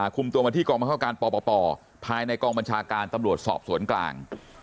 คุมตัวมาที่กองบังคับการปปภายในกองบัญชาการตำรวจสอบสวนกลาง